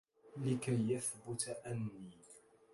لكي يثبت أني: